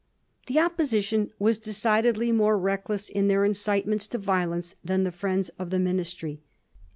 The Oppo sition were decidedly more reckless in their incitements to violence than the friends of the Ministry.